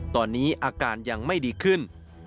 ตอนนี้อาการยังไม่ดีขึ้น